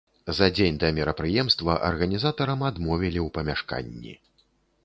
За дзень да мерапрыемства арганізатарам адмовілі ў памяшканні.